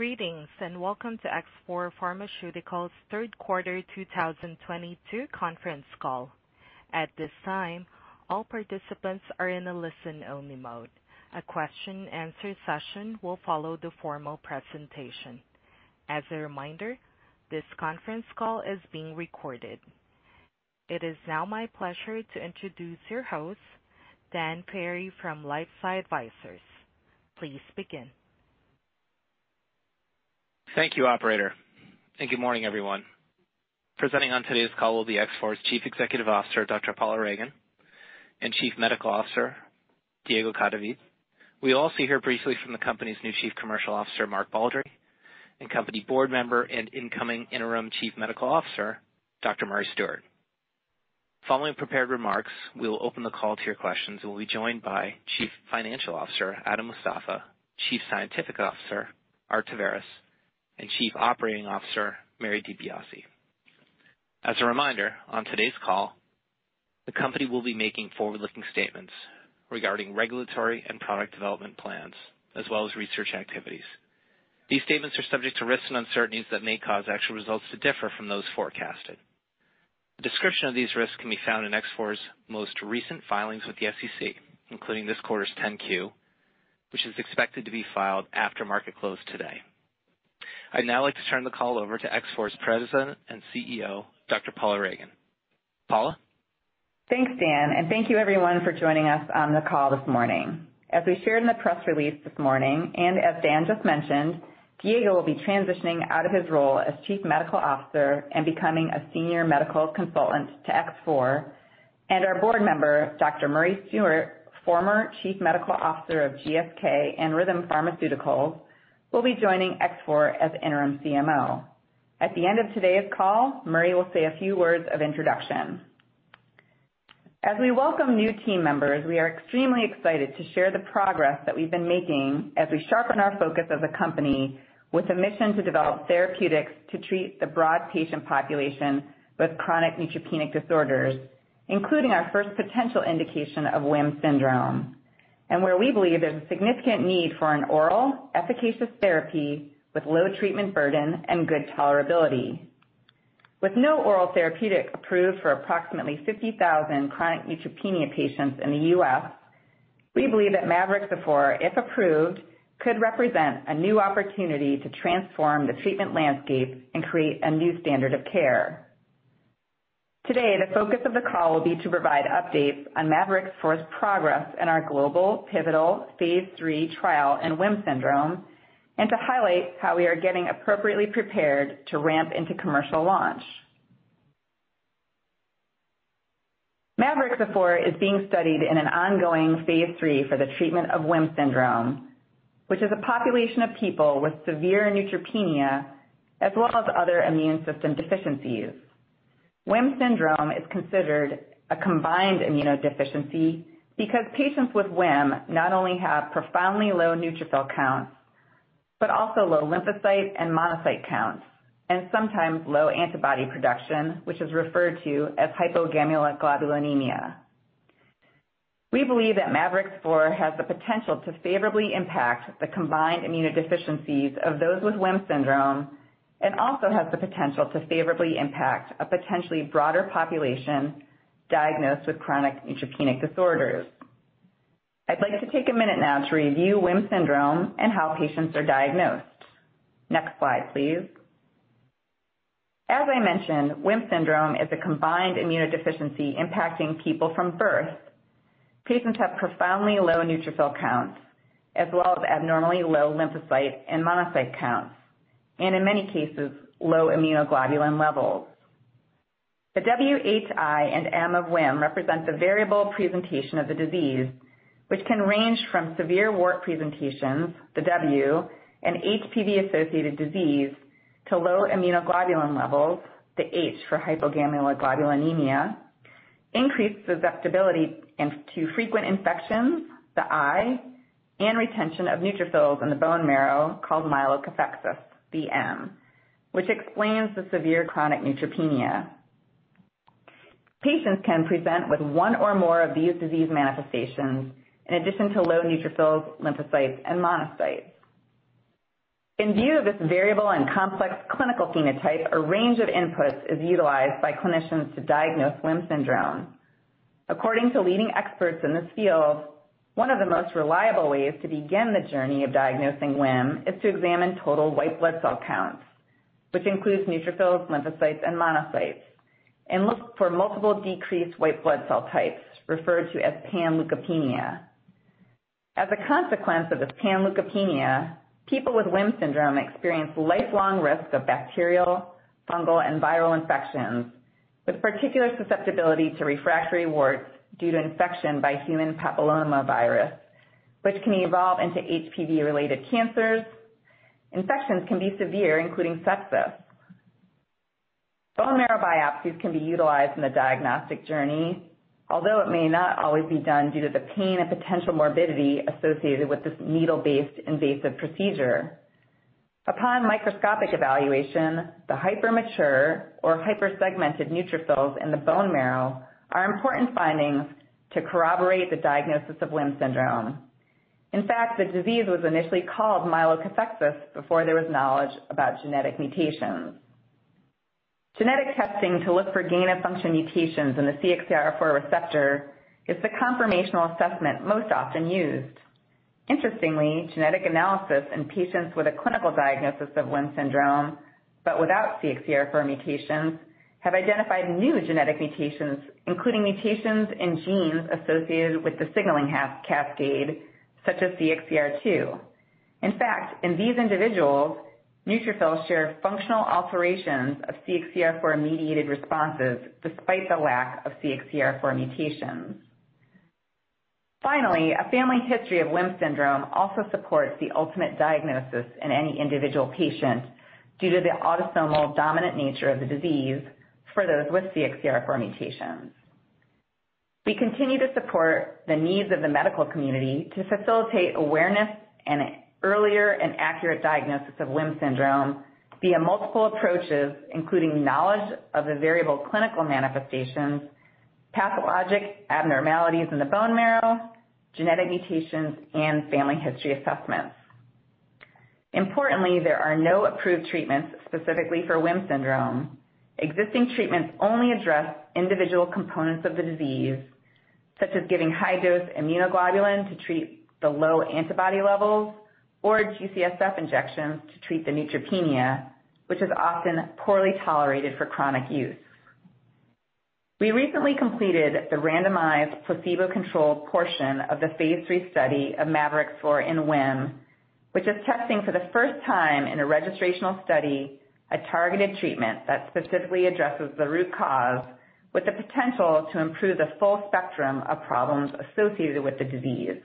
Greetings, and welcome to X4 Pharmaceuticals' Q3 2022 conference call. At this time, all participants are in a listen-only mode. A question-and-answer session will follow the formal presentation. As a reminder, this conference call is being recorded. It is now my pleasure to introduce your host, Daniel Ferry from LifeSci Advisors. Please begin. Thank you, operator, and good morning, everyone. Presenting on today's call will be X4's Chief Executive Officer, Dr. Paula Ragan, and Chief Medical Officer, Diego Cadavid. We'll also hear briefly from the company's new Chief Commercial Officer, Mark Baldry, and company board member and incoming interim Chief Medical Officer, Dr. Murray Stewart. Following prepared remarks, we will open the call to your questions, and we'll be joined by Chief Financial Officer, Adam Mostafa, Chief Scientific Officer, Art Taveras, and Chief Operating Officer, Mary DiBiase. As a reminder, on today's call, the company will be making forward-looking statements regarding regulatory and product development plans, as well as research activities. These statements are subject to risks and uncertainties that may cause actual results to differ from those forecasted. A description of these risks can be found in X4's most recent filings with the SEC, including this quarter's 10-Q, which is expected to be filed after market close today. I'd now like to turn the call over to X4's President and CEO, Dr. Paula Ragan. Paula? Thanks, Dan, and thank you everyone for joining us on the call this morning. As we shared in the press release this morning, and as Dan just mentioned, Diego will be transitioning out of his role as Chief Medical Officer and becoming a senior medical consultant to X4. Our board member, Dr. Murray Stewart, former Chief Medical Officer of GSK and Rhythm Pharmaceuticals, will be joining X4 as interim CMO. At the end of today's call, Murray will say a few words of introduction. As we welcome new team members, we are extremely excited to share the progress that we've been making as we sharpen our focus as a company with a mission to develop therapeutics to treat the broad patient population with chronic neutropenic disorders, including our first potential indication of WHIM syndrome, and where we believe there's a significant need for an oral efficacious therapy with low treatment burden and good tolerability. With no oral therapeutic approved for approximately 50,000 chronic neutropenia patients in the U.S., we believe that mavorixafor, if approved, could represent a new opportunity to transform the treatment landscape and create a new standard of care. Today, the focus of the call will be to provide updates on mavorixafor's progress in our global phase III trial in WHIM syndrome and to highlight how we are getting appropriately prepared to ramp into commercial launch. Mavorixafor is being studied in an phase III for the treatment of WHIM syndrome, which is a population of people with severe neutropenia as well as other immune system deficiencies. WHIM syndrome is considered a combined immunodeficiency because patients with WHIM not only have profoundly low neutrophil counts, but also low lymphocyte and monocyte counts, and sometimes low antibody production, which is referred to as hypogammaglobulinemia. We believe that mavorixafor has the potential to favorably impact the combined immunodeficiencies of those with WHIM syndrome and also has the potential to favorably impact a potentially broader population diagnosed with chronic neutropenic disorders. I'd like to take a minute now to review WHIM syndrome and how patients are diagnosed. Next slide, please. As I mentioned, WHIM syndrome is a combined immunodeficiency impacting people from birth. Patients have profoundly low neutrophil counts, as well as abnormally low lymphocyte and monocyte counts, and in many cases, low immunoglobulin levels. The W, H, I, and M of WHIM represent the variable presentation of the disease, which can range from severe wart presentations, the W, and HPV-associated disease to low immunoglobulin levels, the H for hypogammaglobulinemia, increased susceptibility to frequent infections, the I, and retention of neutrophils in the bone marrow called myelokathexis, the M, which explains the severe chronic neutropenia. Patients can present with one or more of these disease manifestations in addition to low neutrophils, lymphocytes, and monocytes. In view of this variable and complex clinical phenotype, a range of inputs is utilized by clinicians to diagnose WHIM syndrome. According to leading experts in this field, one of the most reliable ways to begin the journey of diagnosing WHIM is to examine total white blood cell counts, which includes neutrophils, lymphocytes, and monocytes, and look for multiple decreased white blood cell types referred to as panleukopenia. As a consequence of this panleukopenia, people with WHIM syndrome experience lifelong risk of bacterial, fungal, and viral infections, with particular susceptibility to refractory warts due to infection by human papillomavirus, which can evolve into HPV-related cancers. Infections can be severe, including sepsis. Bone marrow biopsies can be utilized in the diagnostic journey, although it may not always be done due to the pain and potential morbidity associated with this needle-based invasive procedure. Upon microscopic evaluation, the hypermature or hypersegmented neutrophils in the bone marrow are important findings to corroborate the diagnosis of WHIM syndrome. In fact, the disease was initially called myelokathexis before there was knowledge about genetic mutations. Genetic testing to look for gain of function mutations in the CXCR4 receptor is the confirmatory assessment most often used. Interestingly, genetic analysis in patients with a clinical diagnosis of WHIM syndrome, but without CXCR4 mutations, have identified new genetic mutations, including mutations in genes associated with the signaling RAS cascade, such as CXCR2. In fact, in these individuals, neutrophils share functional alterations of CXCR4-mediated responses despite the lack of CXCR4 mutations. Finally, a family history of WHIM syndrome also supports the ultimate diagnosis in any individual patient due to the autosomal dominant nature of the disease for those with CXCR4 mutations. We continue to support the needs of the medical community to facilitate awareness and earlier and accurate diagnosis of WHIM syndrome via multiple approaches, including knowledge of the variable clinical manifestations, pathologic abnormalities in the bone marrow, genetic mutations, and family history assessments. Importantly, there are no approved treatments specifically for WHIM syndrome. Existing treatments only address individual components of the disease, such as giving high-dose immunoglobulin to treat the low antibody levels or G-CSF injections to treat the neutropenia, which is often poorly tolerated for chronic use. We recently completed the randomized placebo-controlled portion of phase III study of mavorixafor in WHIM, which is testing for the first time in a registrational study, a targeted treatment that specifically addresses the root cause with the potential to improve the full spectrum of problems associated with the disease.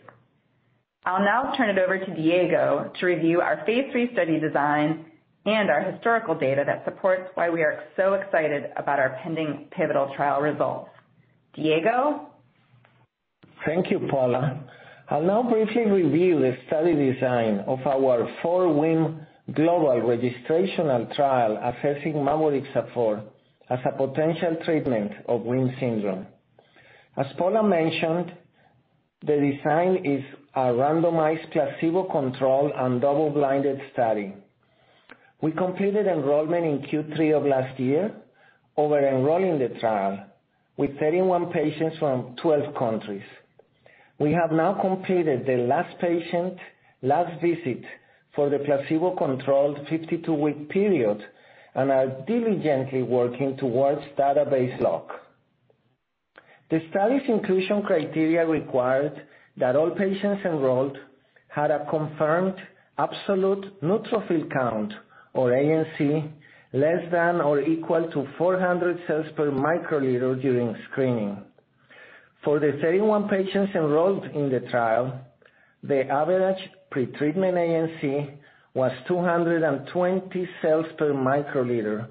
I'll now turn it over to Diego to review phase III study design and our historical data that supports why we are so excited about our pending pivotal trial results. Diego. Thank you, Paula. I'll now briefly review the study design of our 4WHIM global registrational trial assessing mavorixafor as a potential treatment of WHIM syndrome. As Paula mentioned, the design is a randomized placebo-controlled and double-blind study. We completed enrollment in Q3 of last year. Over-enrolling the trial with 31 patients from 12 countries. We have now completed the last patient-last visit for the placebo-controlled 52-week period and are diligently working towards database lock. The study's inclusion criteria required that all patients enrolled had a confirmed absolute neutrophil count, or ANC, less than or equal to 400 cells per microliter during screening. For the 31 patients enrolled in the trial, the average pretreatment ANC was 220 cells per microliter,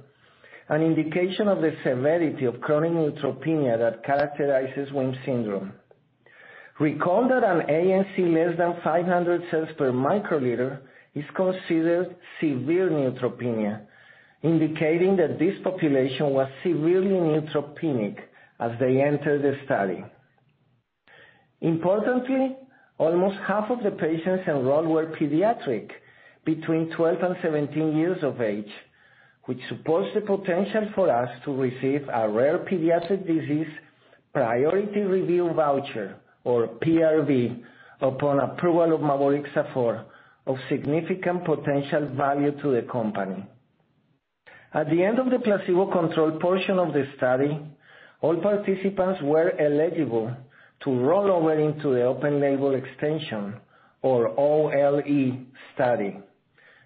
an indication of the severity of chronic neutropenia that characterizes WHIM syndrome. Recall that an ANC less than 500 cells per microliter is considered severe neutropenia, indicating that this population was severely neutropenic as they entered the study. Importantly, almost half of the patients enrolled were pediatric, between 12 and 17 years of age, which supports the potential for us to receive a rare pediatric disease priority review voucher, or PRV, upon approval of mavorixafor of significant potential value to the company. At the end of the placebo-controlled portion of the study, all participants were eligible to roll over into the open-label extension, or OLE, study.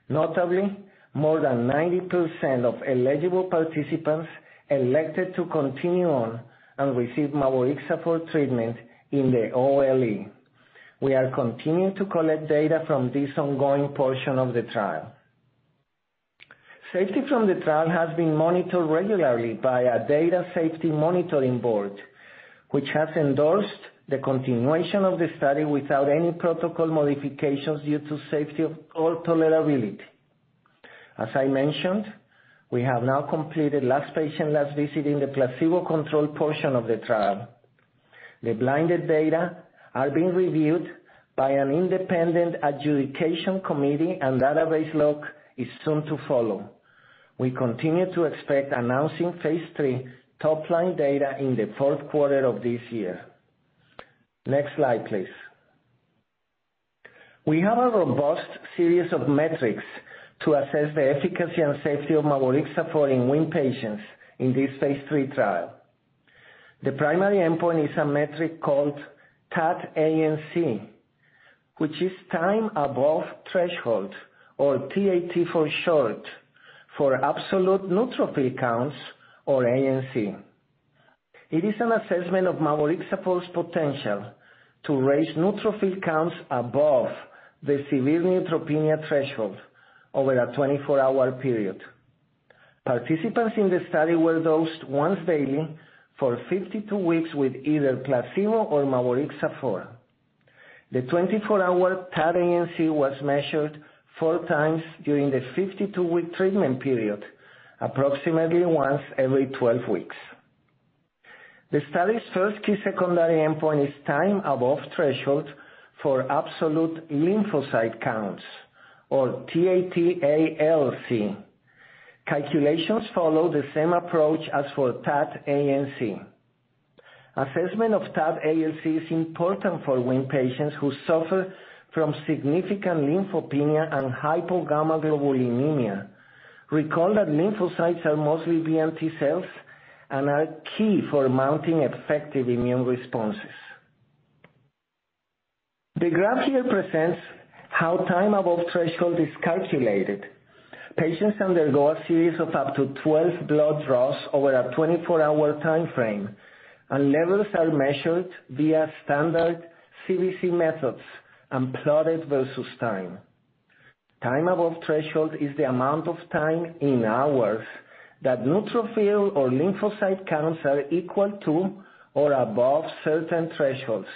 Notably, more than 90% of eligible participants elected to continue on and receive mavorixafor treatment in the OLE. We are continuing to collect data from this ongoing portion of the trial. Safety from the trial has been monitored regularly by our data safety monitoring board, which has endorsed the continuation of the study without any protocol modifications due to safety or tolerability. As I mentioned, we have now completed last patient, last visit in the placebo-controlled portion of the trial. The blinded data are being reviewed by an independent adjudication committee and database lock is soon to follow. We continue to expect phase III top-line data in Q4 of this year. Next slide, please. We have a robust series of metrics to assess the efficacy and safety of mavorixafor in WHIM patients in phase III trial. The primary endpoint is a metric called TAT-ANC, which is time above threshold, or TAT for short, for absolute neutrophil counts, or ANC. It is an assessment of mavorixafor's potential to raise neutrophil counts above the severe neutropenia threshold over a 24-hour period. Participants in the study were dosed once daily for 52 weeks with either placebo or mavorixafor. The 24-hour TAT-ANC was measured four times during the 52-week treatment period, approximately once every 12 weeks. The study's first key secondary endpoint is time above threshold for absolute lymphocyte counts or TAT-ALC. Calculations follow the same approach as for TAT-ANC. Assessment of TAT-ALC is important for WHIM patients who suffer from significant lymphopenia and hypogammaglobulinemia. Recall that lymphocytes are mostly B and T cells and are key for mounting effective immune responses. The graph here presents how time above threshold is calculated. Patients undergo a series of up to 12 blood draws over a 24-hour timeframe, and levels are measured via standard CBC methods and plotted versus time. Time above threshold is the amount of time in hours that neutrophil or lymphocyte counts are equal to or above certain thresholds.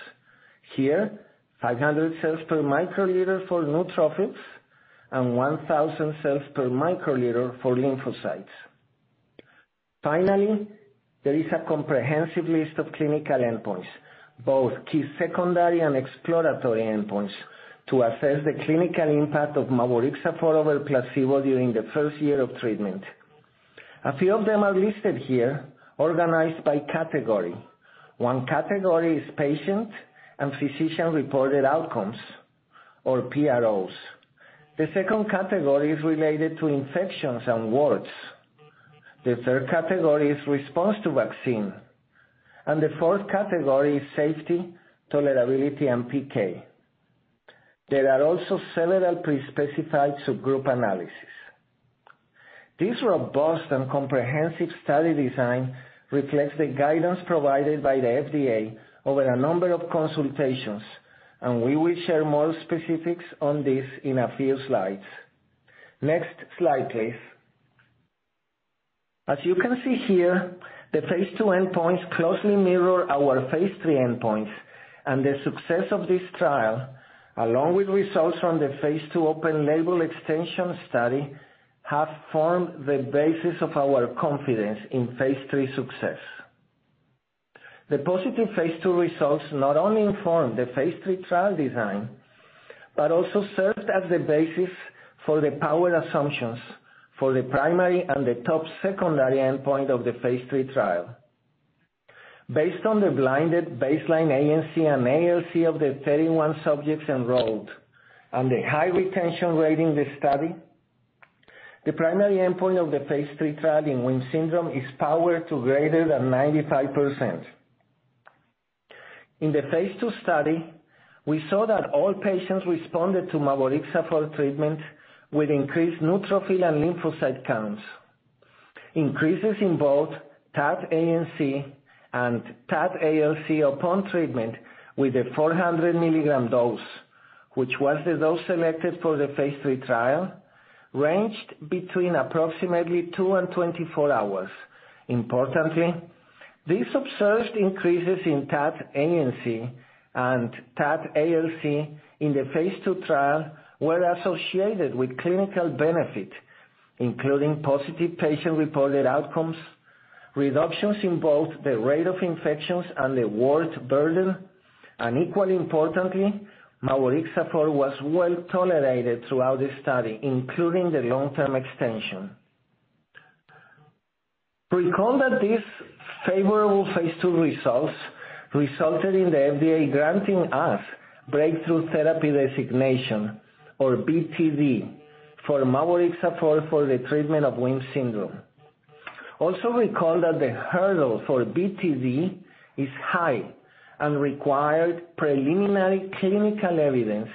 Here, 500 cells per microliter for neutrophils and 1,000 cells per microliter for lymphocytes. Finally, there is a comprehensive list of clinical endpoints, both key secondary and exploratory endpoints, to assess the clinical impact of mavorixafor over placebo during the first year of treatment. A few of them are listed here, organized by category. One category is patient and physician-reported outcomes, or PROs. The second category is related to infections and warts. The third category is response to vaccine. The fourth category is safety, tolerability, and PK. There are also several pre-specified subgroup analyses. This robust and comprehensive study design reflects the guidance provided by the FDA over a number of consultations, and we will share more specifics on this in a few slides. Next slide, please. As you can see here, phase II endpoints closely mirror phase III endpoints, and the success of this trial, along with results from phase II open label extension study, have formed the basis of our confidence phase III success. The phase II results not only inform phase III trial design, but also serves as the basis for the power assumptions for the primary and the top secondary endpoint of phase III trial. Based on the blinded baseline ANC and ALC of the 31 subjects enrolled and the high retention rate in this study, the primary endpoint of phase III trial in WHIM syndrome is powered to greater than 95%. In phase II study, we saw that all patients responded to mavorixafor treatment with increased neutrophil and lymphocyte counts. Increases in both TAT-ANC and TAT-ALC upon treatment with a 400 mg dose, which was the dose selected for phase III trial, ranged between approximately two and 24 hours. Importantly, these observed increases in TAT-ANC and TAT-ALC in phase II trial were associated with clinical benefit, including positive patient-reported outcomes, reductions in both the rate of infections and the wart burden, and equally importantly, mavorixafor was well-tolerated throughout the study, including the long-term extension. Recall that these phase II results resulted in the FDA granting us breakthrough therapy designation, or BTD, for mavorixafor for the treatment of WHIM syndrome. Also recall that the hurdle for BTD is high and required preliminary clinical evidence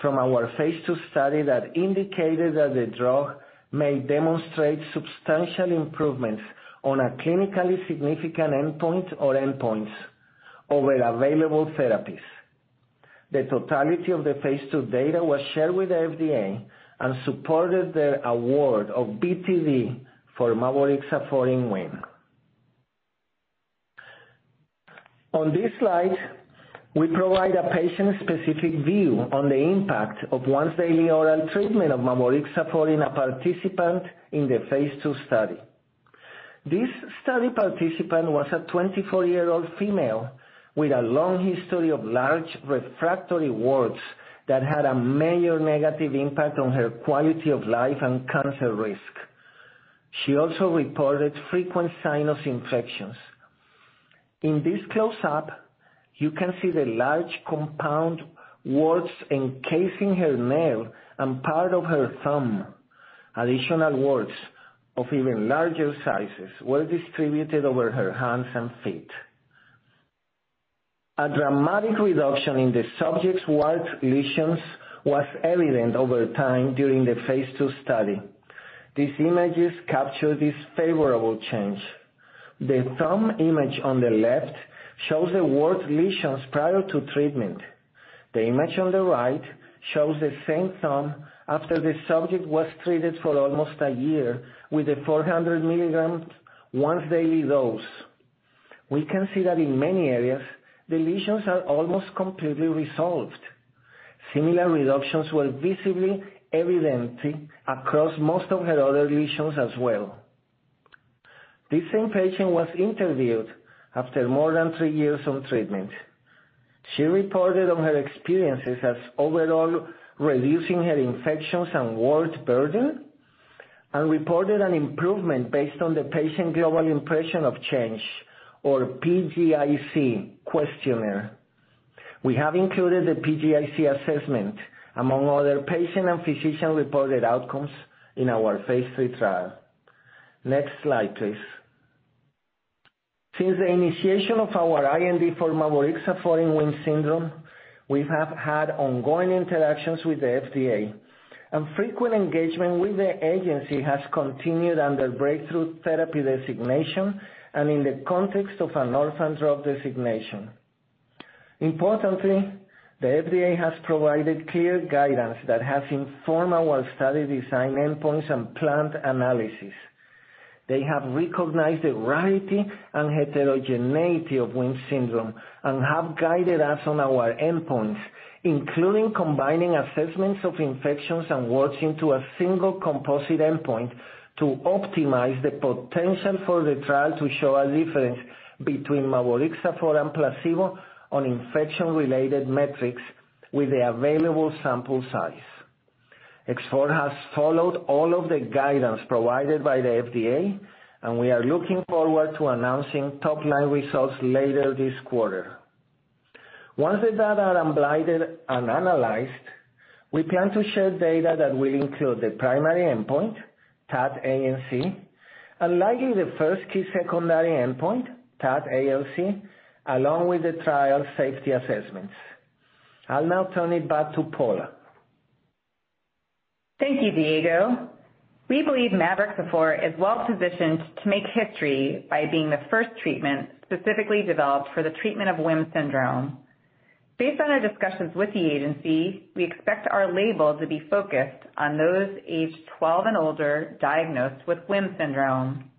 from phase II study that indicated that the drug may demonstrate substantial improvements on a clinically significant endpoint or endpoints over available therapies. The totality of phase II data was shared with the FDA and supported their award of BTD for mavorixafor in WHIM. On this slide, we provide a patient-specific view on the impact of once daily oral treatment of mavorixafor in a participant in phase II study. This study participant was a 24-year-old female with a long history of large refractory warts that had a major negative impact on her quality of life and cancer risk. She also reported frequent sinus infections. In this close-up, you can see the large compound warts encasing her nail and part of her thumb. Additional warts of even larger sizes were distributed over her hands and feet. A dramatic reduction in the subject's wart lesions was evident over time during phase II study. These images capture this favorable change. The thumb image on the left shows the wart lesions prior to treatment. The image on the right shows the same thumb after the subject was treated for almost a year with a 400 milligrams once daily dose. We can see that in many areas the lesions are almost completely resolved. Similar reductions were visibly evident across most of her other lesions as well. This same patient was interviewed after more than three years on treatment. She reported on her experiences as overall reducing her infections and wart burden, and reported an improvement based on the Patient Global Impression of Change, or PGIC questionnaire. We have included the PGIC assessment among other patient and physician-reported outcomes in phase III trial. Next slide, please. Since the initiation of our IND for mavorixafor for WHIM syndrome, we have had ongoing interactions with the FDA, and frequent engagement with the agency has continued under breakthrough therapy designation and in the context of an orphan drug designation. Importantly, the FDA has provided clear guidance that has informed our study design endpoints and planned analysis. They have recognized the rarity and heterogeneity of WHIM syndrome and have guided us on our endpoints, including combining assessments of infections and warts into a single composite endpoint to optimize the potential for the trial to show a difference between mavorixafor and placebo on infection-related metrics with the available sample size. X4 has followed all of the guidance provided by the FDA, and we are looking forward to announcing top-line results later this quarter. Once the data are unblinded and analyzed, we plan to share data that will include the primary endpoint, TAT-ANC, and likely the first key secondary endpoint, TAT-ALC, along with the trial safety assessments. I'll now turn it back to Paula. Thank you, Diego. We believe mavorixafor is well-positioned to make history by being the first treatment specifically developed for the treatment of WHIM syndrome. Based on our discussions with the agency, we expect our label to be focused on those aged 12 and older diagnosed with WHIM syndrome.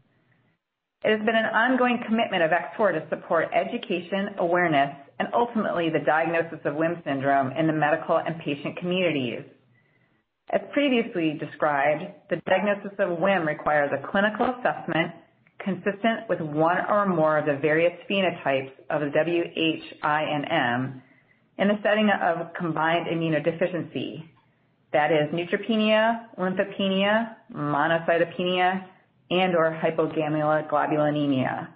It has been an ongoing commitment of X4 to support education, awareness, and ultimately the diagnosis of WHIM syndrome in the medical and patient communities. As previously described, the diagnosis of WHIM requires a clinical assessment consistent with one or more of the various phenotypes of W, H, I, and M in the setting of combined immunodeficiency. That is neutropenia, lymphopenia, monocytopenia, and/or hypogammaglobulinemia,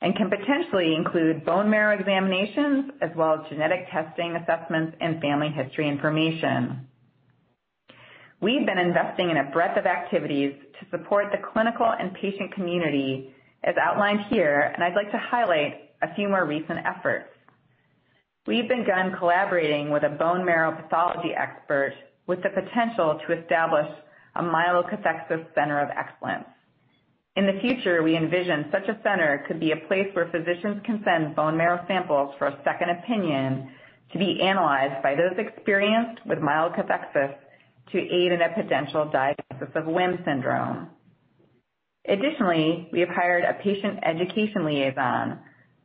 and can potentially include bone marrow examinations as well as genetic testing assessments and family history information. We've been investing in a breadth of activities to support the clinical and patient community as outlined here, and I'd like to highlight a few more recent efforts. We've begun collaborating with a bone marrow pathology expert with the potential to establish a Myelokathexis Center of Excellence. In the future, we envision such a center could be a place where physicians can send bone marrow samples for a second opinion to be analyzed by those experienced with myelokathexis to aid in a potential diagnosis of WHIM syndrome. Additionally, we have hired a patient education liaison,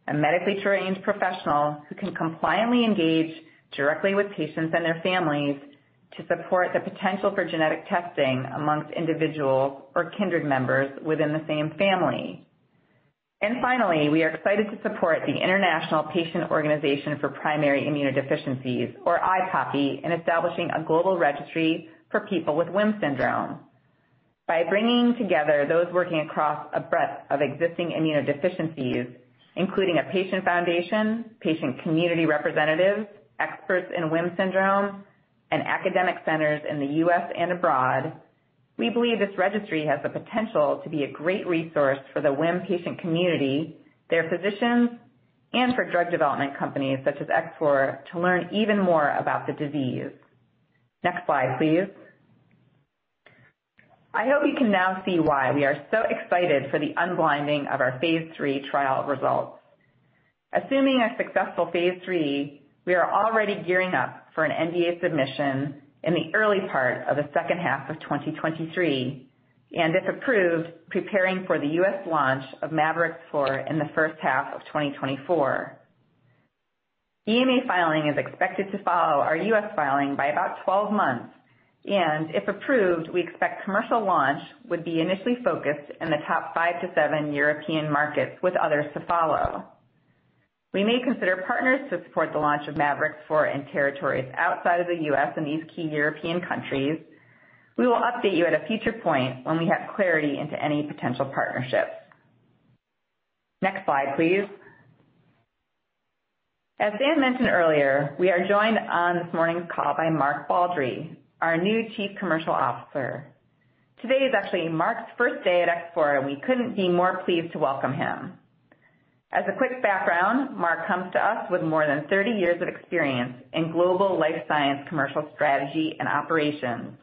a medically trained professional who can compliantly engage directly with patients and their families to support the potential for genetic testing amongst individuals or kindred members within the same family. Finally, we are excited to support the International Patient Organisation for Primary Immunodeficiencies, or IPOPI, in establishing a global registry for people with WHIM syndrome. By bringing together those working across a breadth of existing immunodeficiencies, including a patient foundation, patient community representatives, experts in WHIM syndrome, and academic centers in the US and abroad, we believe this registry has the potential to be a great resource for the WHIM patient community, their physicians, and for drug development companies such as X4 to learn even more about the disease. Next slide, please. I hope you can now see why we are so excited for the unblinding of phase III trial results. Assuming a phase III, we are already gearing up for an NDA submission in the early part of the second half of 2023, and if approved, preparing for the US launch of mavorixafor in the first half of 2024. EMA filing is expected to follow our US filing by about 12 months, and if approved, we expect commercial launch would be initially focused in the top five to seven European markets, with others to follow. We may consider partners to support the launch of mavorixafor in territories outside of the US and these key European countries. We will update you at a future point when we have clarity into any potential partnerships. Next slide, please. As Dan mentioned earlier, we are joined on this morning's call by Mark Baldry, our new Chief Commercial Officer. Today is actually Mark's first day at X4, and we couldn't be more pleased to welcome him. As a quick background, Mark comes to us with more than 30 years of experience in global life science, commercial strategy and operations,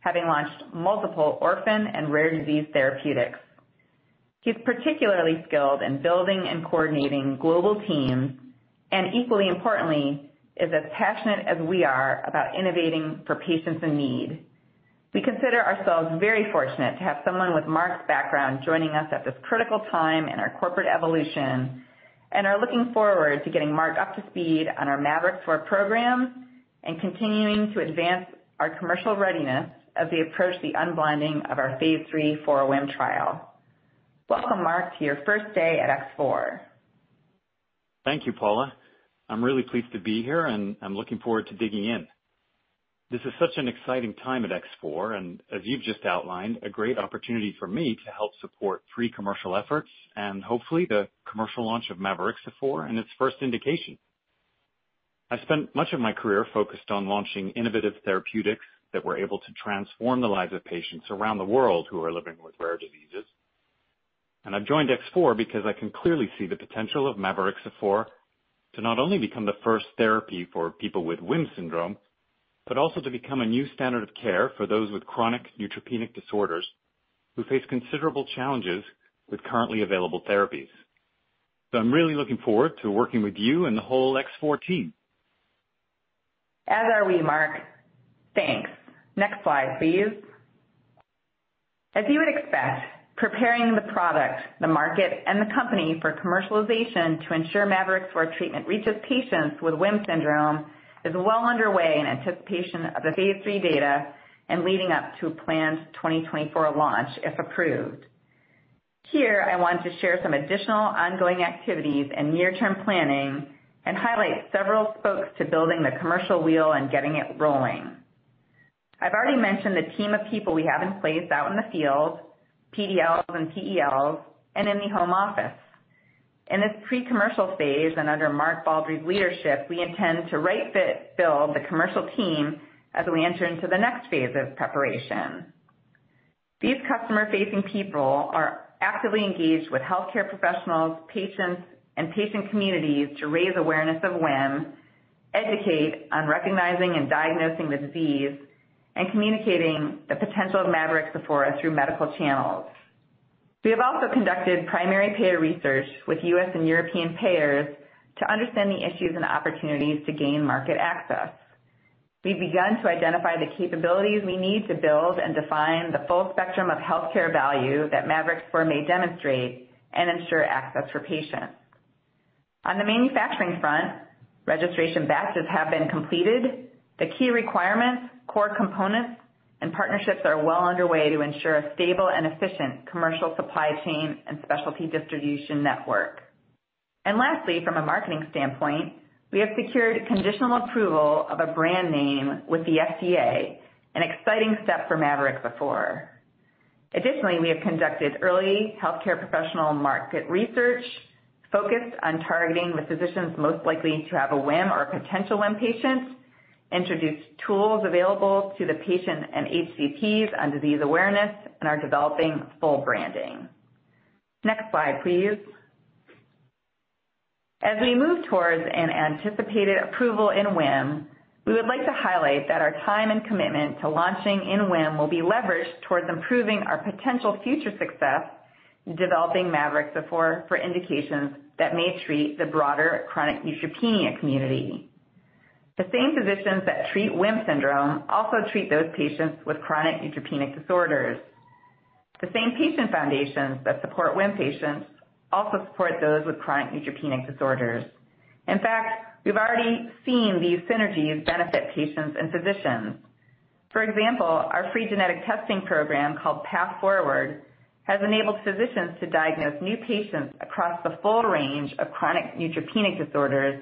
having launched multiple orphan and rare disease therapeutics. He's particularly skilled in building and coordinating global teams, and equally importantly, is as passionate as we are about innovating for patients in need. We consider ourselves very fortunate to have someone with Mark's background joining us at this critical time in our corporate evolution, and are looking forward to getting Mark up to speed on our mavorixafor program and continuing to advance our commercial readiness as we approach the unblinding of phase III 4WHIM trial. Welcome, Mark, to your first day at X4. Thank you, Paula. I'm really pleased to be here, and I'm looking forward to digging in. This is such an exciting time at X4 and as you've just outlined, a great opportunity for me to help support pre-commercial efforts and hopefully the commercial launch of mavorixafor in its first indication. I spent much of my career focused on launching innovative therapeutics that were able to transform the lives of patients around the world who are living with rare diseases. I've joined X4 because I can clearly see the potential of mavorixafor to not only become the first therapy for people with WHIM syndrome, but also to become a new standard of care for those with chronic neutropenic disorders who face considerable challenges with currently available therapies. I'm really looking forward to working with you and the whole X4 team. As are we, Mark. Thanks. Next slide, please. As you would expect, preparing the product, the market, and the company for commercialization to ensure mavorixafor treatment reaches patients with WHIM syndrome is well underway in anticipation of phase III data and leading up to a planned 2024 launch, if approved. Here, I want to share some additional ongoing activities and near-term planning and highlight several spokes to building the commercial wheel and getting it rolling. I've already mentioned the team of people we have in place out in the field, PDLs and PELs, and in the home office. In this pre-commercial phase and under Mark Baldry's leadership, we intend to build the commercial team as we enter into the next phase of preparation. These customer-facing people are actively engaged with healthcare professionals, patients, and patient communities to raise awareness of WHIM, educate on recognizing and diagnosing the disease, and communicating the potential of mavorixafor through medical channels. We have also conducted primary payer research with U.S. and European payers to understand the issues and opportunities to gain market access. We've begun to identify the capabilities we need to build and define the full spectrum of healthcare value that mavorixafor may demonstrate and ensure access for patients. On the manufacturing front, registration batches have been completed. The key requirements, core components, and partnerships are well underway to ensure a stable and efficient commercial supply chain and specialty distribution network. Lastly, from a marketing standpoint, we have secured conditional approval of a brand name with the FDA, an exciting step for mavorixafor. Additionally, we have conducted early healthcare professional market research focused on targeting the physicians most likely to have a WHIM or potential WHIM patients, introduced tools available to the patient and HCPs on disease awareness, and are developing full branding. Next slide, please. As we move towards an anticipated approval in WHIM, we would like to highlight that our time and commitment to launching in WHIM will be leveraged towards improving our potential future success in developing mavorixafor for indications that may treat the broader chronic neutropenia community. The same physicians that treat WHIM syndrome also treat those patients with chronic neutropenic disorders. The same patient foundations that support WHIM patients also support those with chronic neutropenic disorders. In fact, we've already seen these synergies benefit patients and physicians. For example, our free genetic testing program called PATH4WARD has enabled physicians to diagnose new patients across the full range of chronic neutropenic disorders,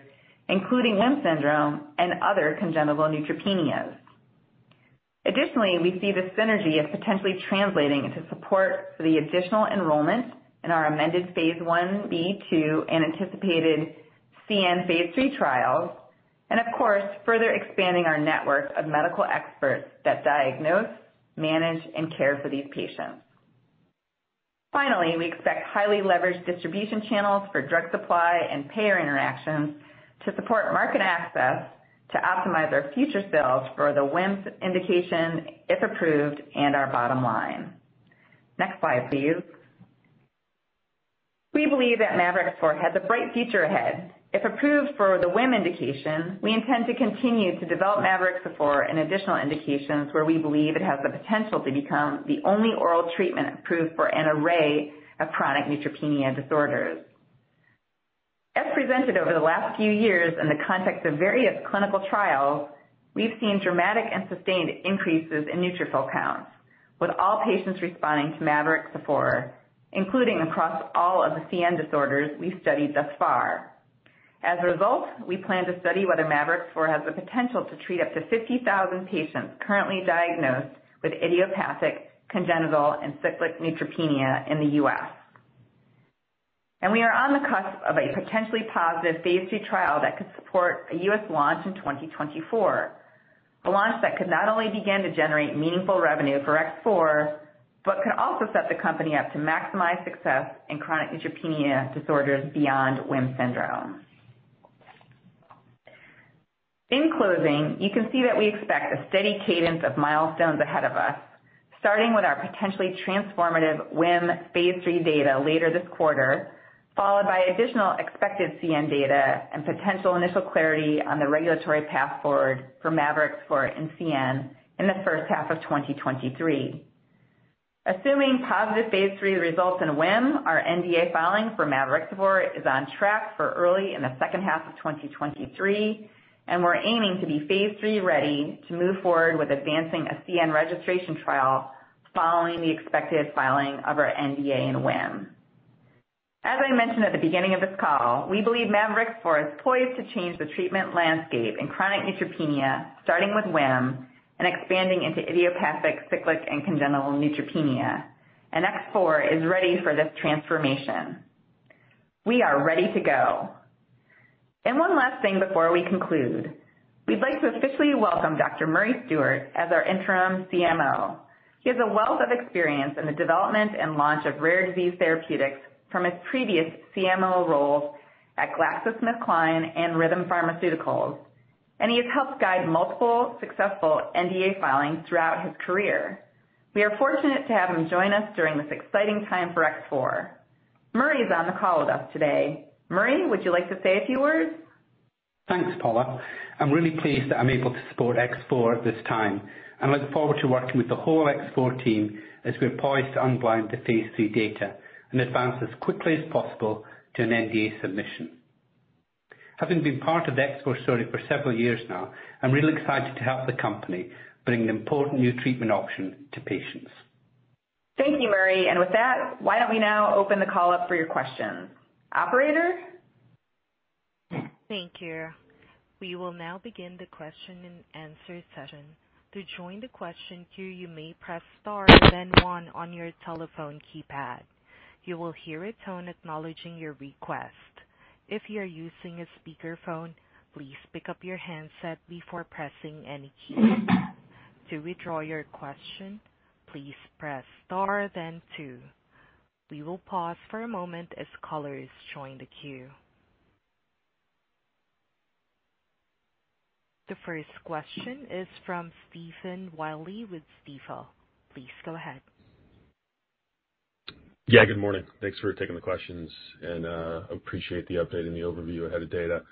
including WHIM syndrome and other congenital neutropenias. We see the synergy of potentially translating into support for the additional enrollment in our amended phase Ib/2 and anticipated phase III trials, and of course, further expanding our network of medical experts that diagnose, manage, and care for these patients. We expect highly leveraged distribution channels for drug supply and payer interactions to support market access to optimize our future sales for the WHIM indication if approved and our bottom line. Next slide, please. We believe that mavorixafor has a bright future ahead. If approved for the WHIM indication, we intend to continue to develop mavorixafor in additional indications where we believe it has the potential to become the only oral treatment approved for an array of chronic neutropenia disorders. As presented over the last few years in the context of various clinical trials, we've seen dramatic and sustained increases in neutrophil counts, with all patients responding to mavorixafor, including across all of the CN disorders we've studied thus far. As a result, we plan to study whether mavorixafor has the potential to treat up to 50,000 patients currently diagnosed with idiopathic congenital and cyclic neutropenia in the U.S. We are on the cusp of a potentially phase III trial that could support a U.S. launch in 2024. A launch that could not only begin to generate meaningful revenue for X4, but can also set the company up to maximize success in chronic neutropenia disorders beyond WHIM syndrome. In closing, you can see that we expect a steady cadence of milestones ahead of us, starting with our potentially transformative phase III data later this quarter, followed by additional expected CN data and potential initial clarity on the regulatory path forward for mavorixafor in CN in the first half of 2023. Assuming phase III results in WHIM, our NDA filing for mavorixafor is on track for early in the second half of 2023, and we're aiming to phase III ready to move forward with advancing a CN registration trial following the expected filing of our NDA in WHIM. As I mentioned at the beginning of this call, we believe mavorixafor is poised to change the treatment landscape in chronic neutropenia, starting with WHIM and expanding into idiopathic, cyclic and congenital neutropenia. X4 is ready for this transformation. We are ready to go. One last thing before we conclude. We'd like to officially welcome Dr. Murray Stewart as our interim CMO. He has a wealth of experience in the development and launch of rare disease therapeutics from his previous CMO roles at GlaxoSmithKline and Rhythm Pharmaceuticals, and he has helped guide multiple successful NDA filings throughout his career. We are fortunate to have him join us during this exciting time for X4. Murray is on the call with us today. Murray, would you like to say a few words? Thanks, Paula. I'm really pleased that I'm able to support X4 at this time and look forward to working with the whole X4 team as we're poised to unblind phase III data and advance as quickly as possible to an NDA submission. Having been part of the X4 story for several years now, I'm really excited to help the company bring an important new treatment option to patients. Thank you, Murray. With that, why don't we now open the call up for your questions. Operator? Thank you. We will now begin the question and answer session. To join the question queue, you may press star then one on your telephone keypad. You will hear a tone acknowledging your request. If you are using a speakerphone, please pick up your handset before pressing any key. To withdraw your question, please press star then two. We will pause for a moment as callers join the queue. The first question is from Stephen Willey with Stifel. Please go ahead. Yes, good morning. Thanks for taking the questions, and appreciate the update and the overview ahead of data.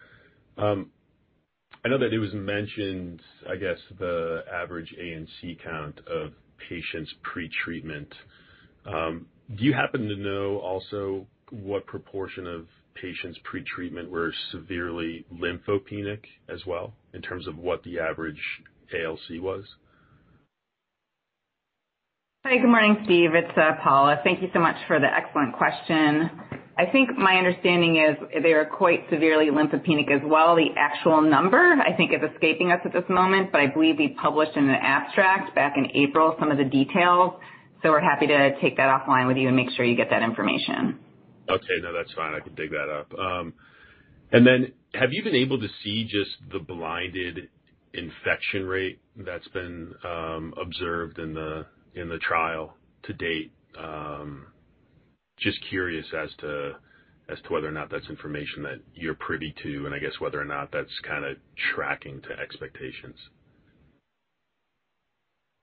I know that it was mentioned the average ANC count of patients pretreatment. Do you happen to know also what proportion of patients pretreatment were severely lymphopenic as well in terms of what the average ALC was? Hi. Good morning, Steve. It's Paula. Thank you so much for the excellent question. I think my understanding is they are quite severely lymphopenic as well. The actual number, I think is escaping us at this moment, but I believe we published in an abstract back in April some of the details. We're happy to take that offline with you and make sure you get that information. Okay. No, that's fine. I can dig that up. Have you been able to see just the blinded infection rate that's been observed in the trial to date? Just curious as to whether or not that's information that you're privy to, and I guess whether or not that's kinda tracking to expectations.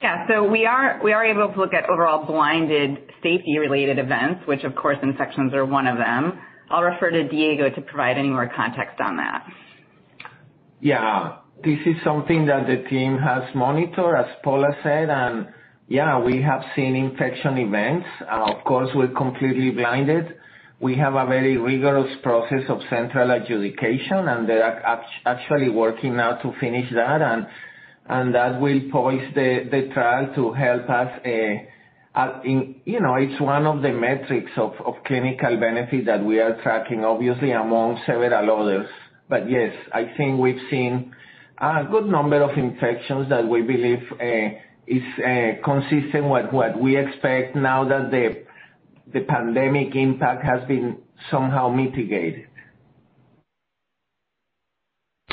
Yes. We are able to look at overall blinded safety-related events, which of course infections are one of them. I'll refer to Diego to provide any more context on that. Yes. This is something that the team has monitored, as Paula said. Yes, we have seen infection events. Of course, we're completely blinded. We have a very rigorous process of central adjudication, and they are actually working now to finish that. That will poise the trial to help us, it's one of the metrics of clinical benefit that we are tracking, obviously among several others. I think we've seen a good number of infections that we believe is consistent with what we expect now that the pandemic impact has been somehow mitigated.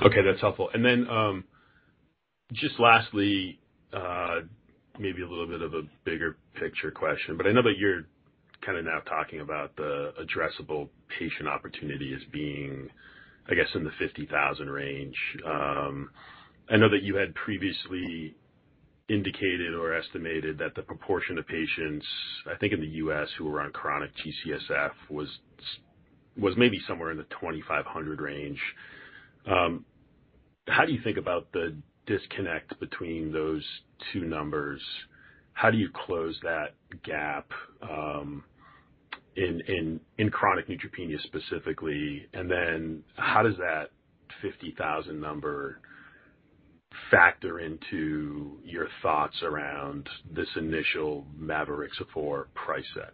Okay, that's helpful. Just lastly, maybe a little bit of a bigger picture question, but I know that you're now talking about the addressable patient opportunity as being in the 50,000 range. I know that you had previously indicated or estimated that the proportion of patients, I think, in the U.S. who were on chronic G-CSF was maybe somewhere in the 2,500 range. How do you think about the disconnect between those two numbers? How do you close that gap in chronic neutropenia specifically? How does that 50,000 number factor into your thoughts around this initial mavorixafor pricing?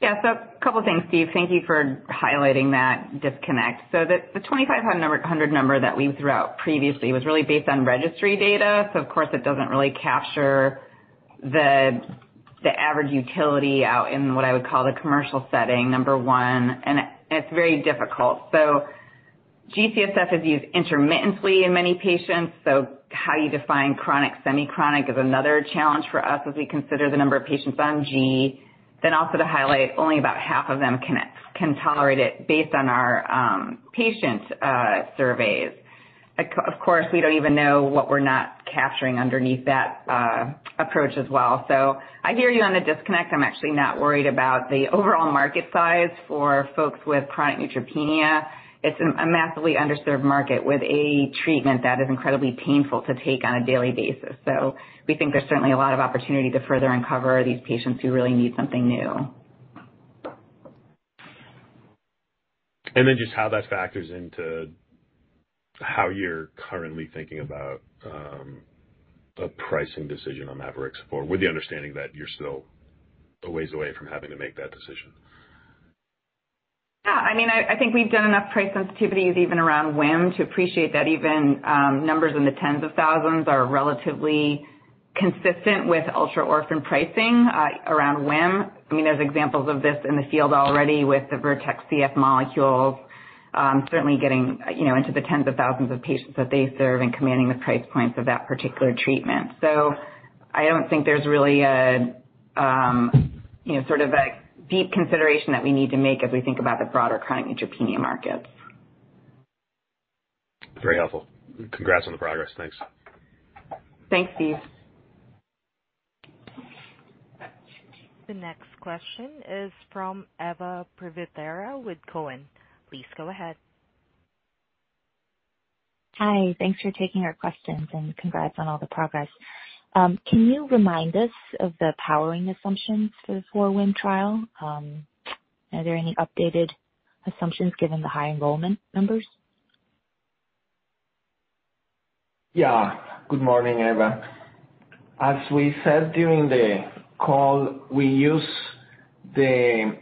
Yes. A couple things, Steve. Thank you for highlighting that disconnect. The twenty-five hundred number that we threw out previously was really based on registry data. Of course, it doesn't really capture the average utility out in what I would call the commercial setting, number one. It's very difficult. G-CSF is used intermittently in many patients, so how you define chronic, semi-chronic is another challenge for us as we consider the number of patients on G. Then also to highlight, only about half of them can tolerate it based on our patient surveys. Of course, we don't even know what we're not capturing underneath that approach as well. I hear you on the disconnect. I'm actually not worried about the overall market size for folks with chronic neutropenia. It's a massively underserved market with a treatment that is incredibly painful to take on a daily basis. We think there's certainly a lot of opportunity to further uncover these patients who really need something new. Just how that factors into how you're currently thinking about a pricing decision on mavorixafor, with the understanding that you're still a ways away from having to make that decision? Yes. I think we've done enough price sensitivities even around WHIM to appreciate that even numbers in the tens of thousands are relatively consistent with ultra-orphan pricing around WHIM. There's examples of this in the field already with the Vertex CF molecules, certainly getting, into the tens of thousands of patients that they serve and commanding the price points of that particular treatment. I don't think there's really a, sort of a deep consideration that we need to make as we think about the broader chronic neutropenia markets. Very helpful. Congrats on the progress. Thanks. Thanks, Steve. The next question is from Eva Privitera with Cowen. Please go ahead. Hi. Thanks for taking our questions, and congrats on all the progress. Can you remind us of the powering assumptions for the 4WHIM trial? Are there any updated assumptions given the high enrollment numbers? Yes. Good morning, Eva. As we said during the call, we use the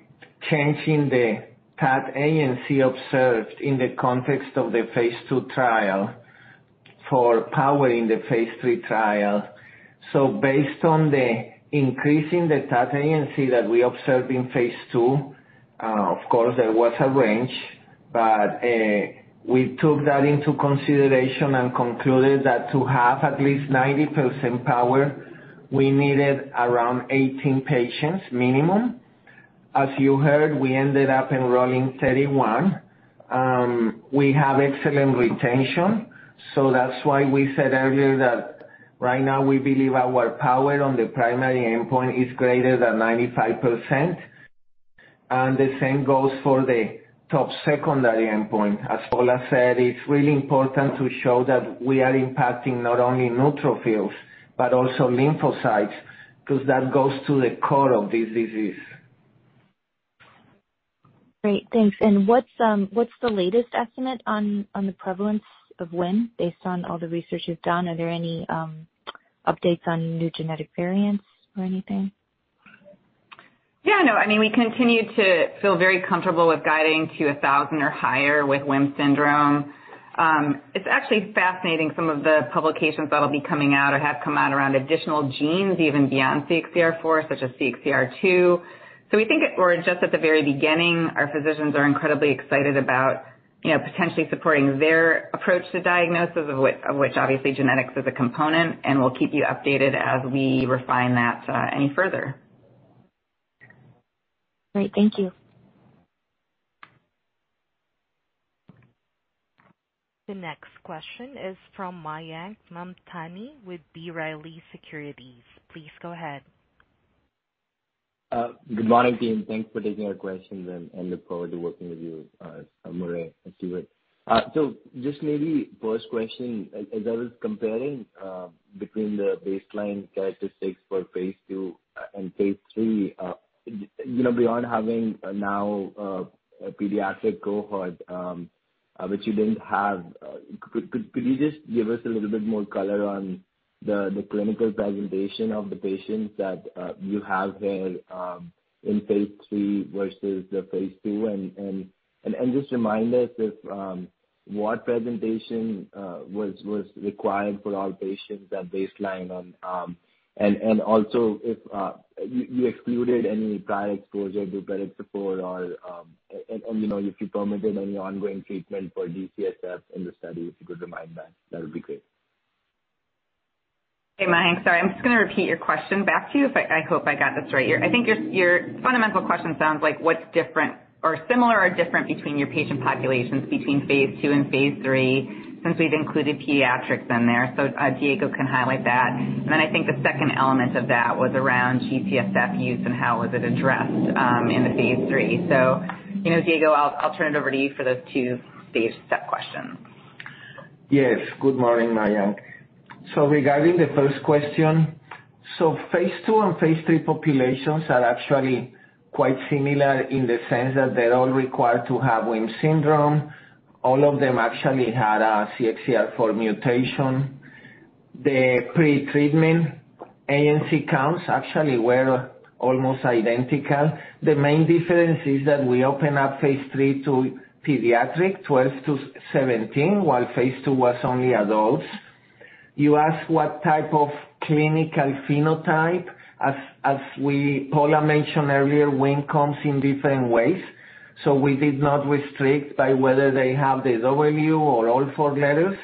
change in the TAT-ANC observed in the context of phase II trial for powering phase III trial. Based on the increase in the TAT-ANC that we observed phase II, of course there was a range, but we took that into consideration and concluded that to have at least 90% power, we needed around 18 patients minimum. As you heard, we ended up enrolling 31. We have excellent retention, so that's why we said earlier that right now we believe our power on the primary endpoint is greater than 95%, and the same goes for the top secondary endpoint. As Paula said, it's really important to show that we are impacting not only neutrophils but also lymphocytes, because that goes to the core of this disease. Great. Thanks. What's the latest estimate on the prevalence of WHIM based on all the research you've done? Are there any updates on new genetic variants or anything? No. We continue to feel very comfortable with guiding to 1,000 or higher with WHIM syndrome. It's actually fascinating some of the publications that'll be coming out or have come out around additional genes even beyond CXCR4 such as CXCR2. We think we're just at the very beginning. Our physicians are incredibly excited about, potentially supporting their approach to diagnosis of which obviously genetics is a component, and we'll keep you updated as we refine that any further. Great. Thank you. The next question is from Mayank Mamtani with B. Riley Securities. Please go ahead. Good morning, team. Thanks for taking our questions and look forward to working with you more as we do it. Just maybe first question. As I was comparing between the baseline characteristics phase III, beyond having now a pediatric cohort, which you didn't have, could you just give us a little bit more color on the clinical presentation of the patients that you have here phase III versus phase II? just remind us if what presentation was required for all patients at baseline on. Also, if you excluded any prior exposure to steroid support or if you permitted any ongoing treatment for G-CSF in the study. If you could remind that, that would be great. Hey, Mayank. Sorry, I'm just going to repeat your question back to you. I hope I got this right. I think your fundamental question sounds like what's different or similar or different between your phase II and phase III since we've included pediatrics in there. Diego can highlight that. Then, I think the second element of that was around G-CSF use and how was it addressed in phase III. Diego, I'll turn it over to you for those two phase step questions. Yes. Good morning, Mayank. Regarding question, phase II and phase III populations are actually quite similar in the sense that they're all required to have WHIM syndrome. All of them actually had a CXCR4 mutation. The pretreatment ANC counts actually were almost identical. The main difference is that we open phase III to pediatric, phase II was only adults. You asked what type of clinical phenotype. Paula mentioned earlier, WHIM comes in different ways, so we did not restrict by whether they have the W or all four letters.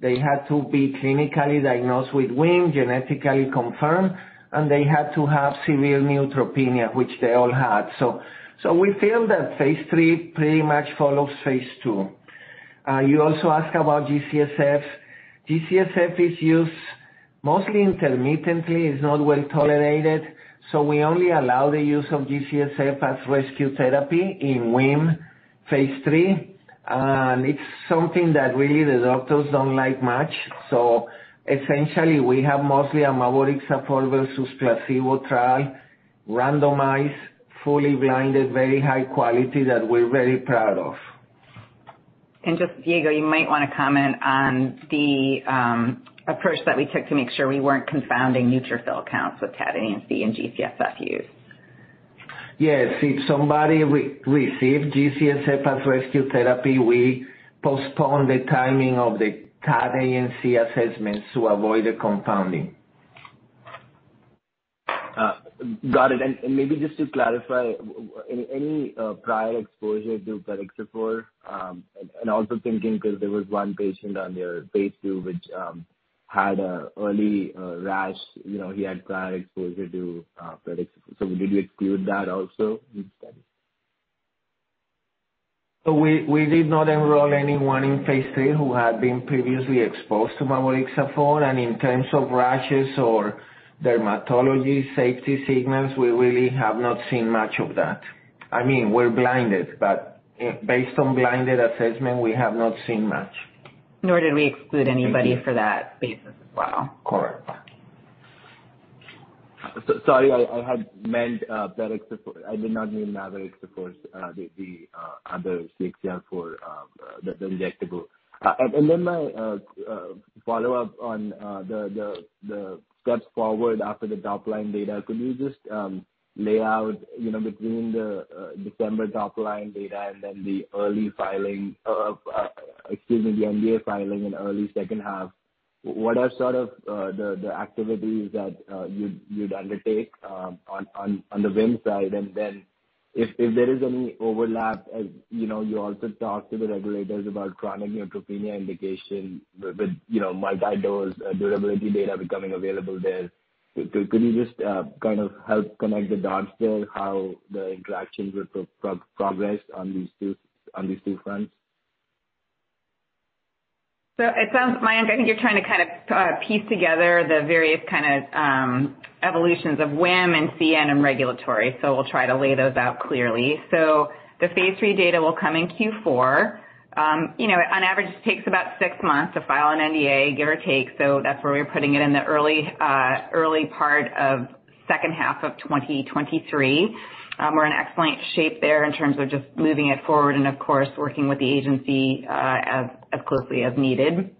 They had to be clinically diagnosed with WHIM, genetically confirmed, and they had to have severe neutropenia, which they all had. We feel phase III pretty phase II. you also ask about G-CSF. G-CSF is used mostly intermittently. It's not well-tolerated, so we only allow the use of G-CSF as rescue therapy in phase III. it's something that really the doctors don't like much. Essentially we have mostly a mavorixafor versus placebo trial, randomized, fully-blinded, very high quality that we're very proud of. Just, Diego, you might want to comment on the approach that we took to make sure we weren't confounding neutrophil counts with CBC, ANC, and G-CSF use. Yes. If somebody received G-CSF as rescue therapy, we postpone the timing of the TAT-ANC assessments to avoid the compounding. Maybe just to clarify. Any prior exposure to plerixafor, and also thinking, because there was one patient on phase II which had an early rash, he had prior exposure to plerixafor. Did you exclude that also in the study? We did not enroll anyone phase III who had been previously exposed to mavorixafor. In terms of rashes or dermatology safety signals, we really have not seen much of that. We're blinded, but based on blinded assessment, we have not seen much. Nor did we exclude anybody for that basis as well. Correct. Sorry, I had meant plerixafor. I did not mean mavorixafor, the other CXCR4, the injectable. Then, my follow-up on the steps forward after the top line data. Could you just lay out, between the December top line data and then the NDA filing in early second half, what are the activities that you'd undertake on the WHIM side? Then, if there is any overlap, as you also talk to the regulators about chronic neutropenia indication with multi-dose durability data becoming available there, could you just help connect the dots there, how the interactions would progress on these two fronts? It sounds, Mayank, I think you're trying to kind of piece together the various evolutions of WHIM and CN and regulatory, so we'll try to lay those out clearly. Phase III data will come in Q4. on average it takes about six months to file an NDA, give or take, so that's where we're putting it in the early part of second half of 2023. We're in excellent shape there in terms of just moving it forward and of course, working with the agency as closely as needed.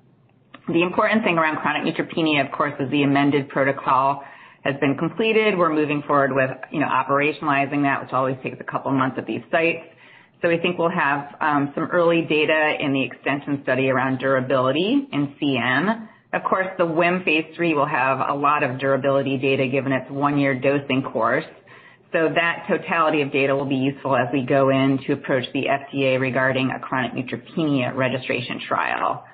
The important thing around chronic neutropenia, of course, is the amended protocol has been completed. We're moving forward with operationalizing that, which always takes a couple months at these sites. We think we'll have some early data in the extension study around durability in CN. Of course, the phase III will have a lot of durability data given its one year dosing course. That totality of data will be useful as we go in to approach the FDA regarding a chronic neutropenia registration trial.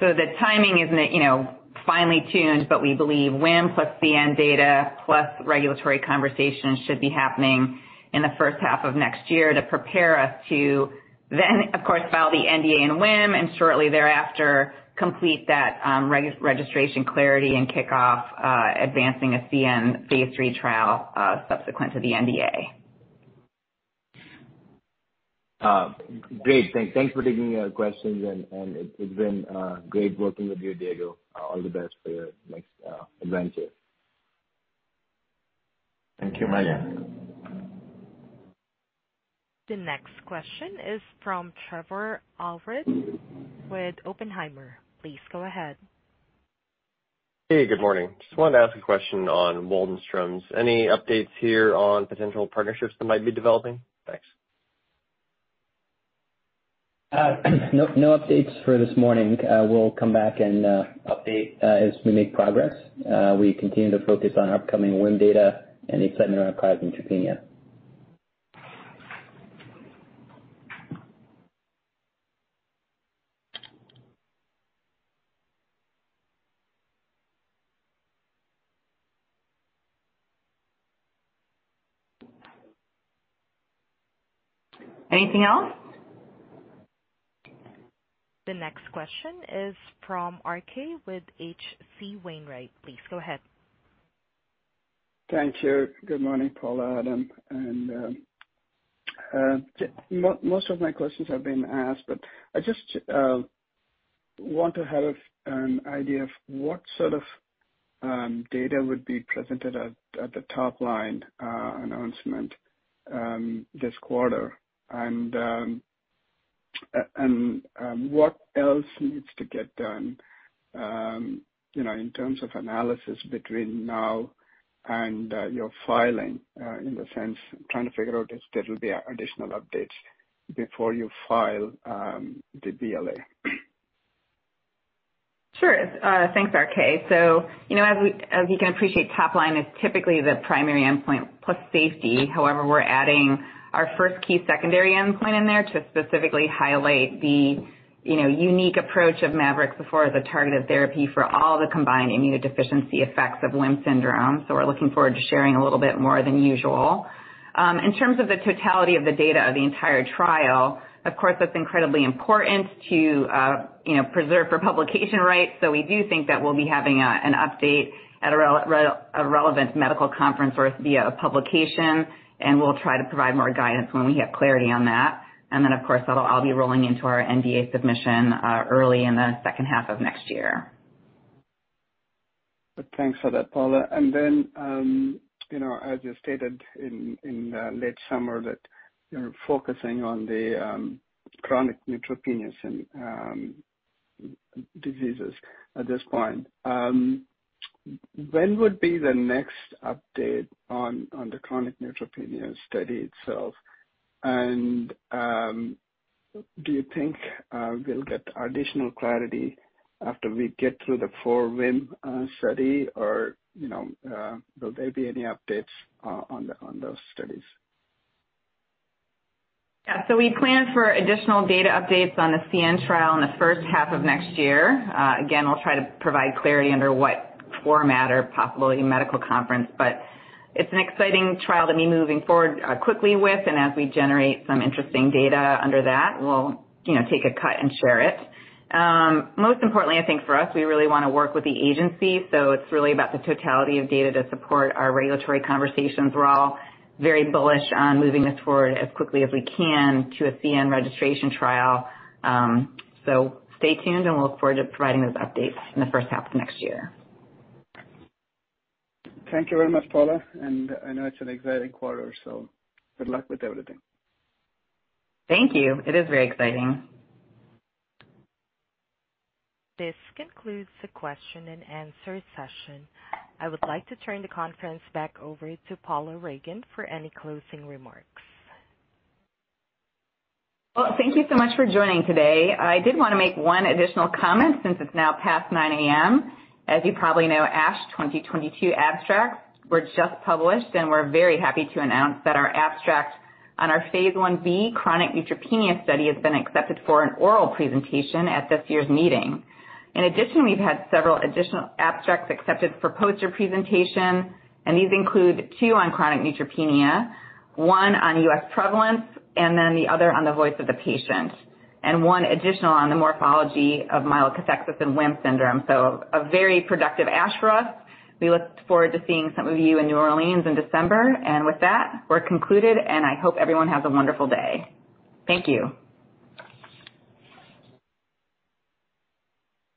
The timing isn't, finely tuned, but we believe WHIM plus CN data plus regulatory conversations should be happening in the first half of next year to prepare us to then, of course, file the NDA and WHIM and shortly thereafter complete that registration clarity and kickoff advancing a phase III trial subsequent to the NDA. Great. Thanks for taking the questions and it's been great working with you, Diego. All the best for your next adventure. Thank you, Mayank. The next question is from Trevor Allred with Oppenheimer. Please go ahead. Hey, good morning. Just wanted to ask a question on Waldenstrom's. Any updates here on potential partnerships that might be developing? Thanks. No updates for this morning. We'll come back and update as we make progress. We continue to focus on upcoming WHIM data and the excitement around chronic neutropenia. Anything else? The next question is from RK with H.C. Wainwright. Please go ahead. Thank you. Good morning, Paula, Adam. Most of my questions have been asked, but I just want to have an idea of what data would be presented at the top line announcement this quarter. What else needs to get done, in terms of analysis between now and your filing, in the sense trying to figure out if there will be additional updates before you file the NDA. Sure. Thanks, RK. As we can appreciate, top line is typically the primary endpoint plus safety. However, we're adding our first key secondary endpoint in there to specifically highlight the unique approach of mavorixafor as the targeted therapy for all the combined immunodeficiency effects of WHIM syndrome. We're looking forward to sharing a little bit more than usual. In terms of the totality of the data of the entire trial, of course, that's incredibly important to preserve for publication rights. We do think that we'll be having an update at a relevant medical conference or via a publication, and we'll try to provide more guidance when we have clarity on that. Of course, that'll all be rolling into our NDA submission early in the second half of next year. Thanks for that, Paula. Then, as you stated in late summer that you're focusing on the chronic neutropenia diseases at this point. When would be the next update on the chronic neutropenia study itself? Do you think we'll get additional clarity after we get through the 4WHIM study or will there be any updates on those studies? Yes. We plan for additional data updates on the CN trial in the first half of next year. Again, we'll try to provide clarity under what format or possibly medical conference, but it's an exciting trial to be moving forward quickly with, and as we generate some interesting data under that, we'll take a cut and share it. Most importantly, I think for us, we really want to work with the agency, so it's really about the totality of data to support our regulatory conversations. We're all very bullish on moving this forward as quickly as we can to a CN registration trial. Stay tuned, and we'll look forward to providing those updates in the first half of next year. Thank you very much, Paula. I know it's an exciting quarter. Good luck with everything. Thank you. It is very exciting. This concludes the question and answer session. I would like to turn the conference back over to Paula Ragan for any closing remarks. Well, thank you so much for joining today. I did want to make one additional comment since it's now past 9 A.M. As you probably know, ASH 2022 abstracts were just published, and we're very happy to announce that our abstract on our phase Ib chronic neutropenia study has been accepted for an oral presentation at this year's meeting. In addition, we've had several additional abstracts accepted for poster presentation, and these include two on chronic neutropenia, one on U.S. prevalence, and then the other on the voice of the patient, and one additional on the morphology of myelokathexis and WHIM syndrome. A very productive ASH for us. We look forward to seeing some of you in New Orleans in December. With that, we're concluded, and I hope everyone has a wonderful day. Thank you.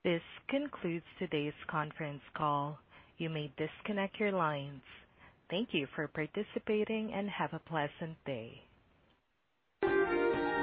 This concludes today's conference call. You may disconnect your lines. Thank you for participating, and have a pleasant day.